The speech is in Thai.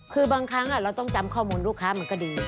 คือบางครั้งเราต้องจำข้อมูลลูกค้ามันก็ดี